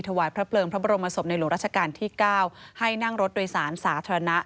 ถวายพระเพลิงพระบรมศพในหลวงราชการที่๙ให้นั่งรถโดยสารสาธารณะ